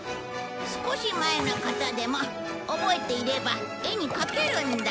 少し前のことでも覚えていれば絵に描けるんだ。